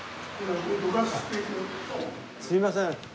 すみません。